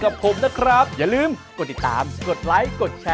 ขอบคุณสำหรับการติดตามรับชม